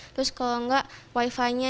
terus kalau enggak wifi nya